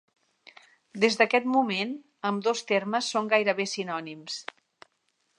Des d'aquest moment, ambdós termes són gairebé sinònims.